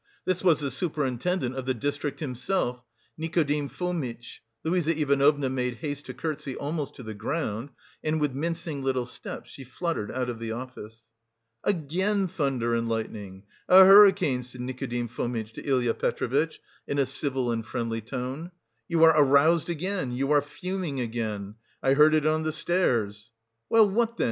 This was the superintendent of the district himself, Nikodim Fomitch. Luise Ivanovna made haste to curtsy almost to the ground, and with mincing little steps, she fluttered out of the office. "Again thunder and lightning a hurricane!" said Nikodim Fomitch to Ilya Petrovitch in a civil and friendly tone. "You are aroused again, you are fuming again! I heard it on the stairs!" "Well, what then!"